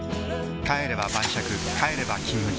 帰れば晩酌帰れば「金麦」